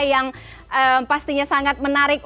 yang pastinya sangat menarik